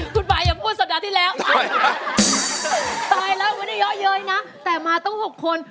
คุณป่าอย่าพูดสัปดาห์ที่แล้วตายแล้วไม่ได้เยอะเย้ยนะแต่มาต้อง๖คน